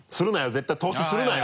絶対透視するなよ？